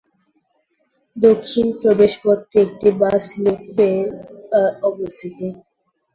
দক্ষিণ প্রবেশ পথটি একটি বাস লুপে অবস্থিত।